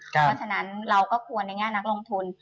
เพราะฉะนั้นเราก็ควรในแง่นักลงทุน